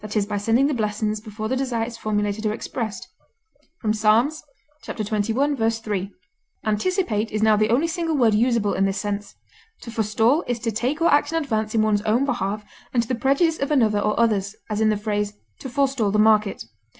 e._, by sending the blessings before the desire is formulated or expressed), Ps. xxi, 3. Anticipate is now the only single word usable in this sense; to forestall is to take or act in advance in one's own behalf and to the prejudice of another or others, as in the phrase "to forestall the market."